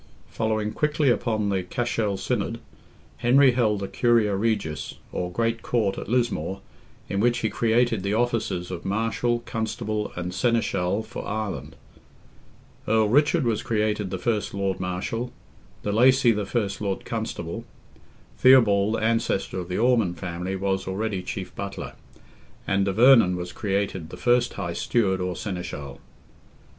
Following quickly upon the Cashel Synod, Henry held a "Curia Regis" or Great Court at Lismore, in which he created the offices of Marshal, Constable, and Seneschal for Ireland. Earl Richard was created the first Lord Marshal; de Lacy, the first Lord Constable. Theobald, ancestor of the Ormond family, was already chief Butler, and de Vernon was created the first high Steward or Seneschal.